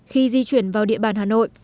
khi di chuyển vào địa bàn hà nội